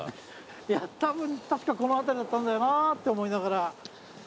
いやたぶん確かこの辺りだったんだよなって思いながら。